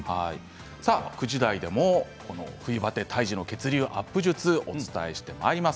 ９時台でも冬バテ退治の血流アップ術をお伝えします。